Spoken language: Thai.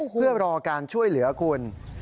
เพื่อรอการช่วยเหลือคุณ